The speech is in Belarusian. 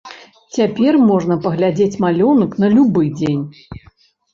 Цяпер можна паглядзець малюнак на любы дзень.